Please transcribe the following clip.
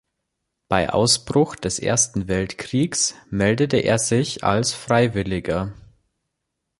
Bei Ausbruch des Ersten Weltkriegs meldete er sich als Freiwilliger.